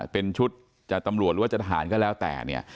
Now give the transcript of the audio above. เป็นชุดจะตำรวจหรือว่าจะทหารก็แล้วแต่เนี่ย